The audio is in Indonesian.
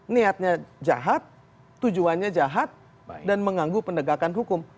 niatnya jahat tujuannya jahat dan menganggu pendegakan hukum